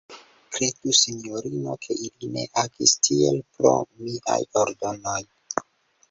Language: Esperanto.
Kredu, sinjorino, ke ili ne agis tiel pro miaj ordonoj.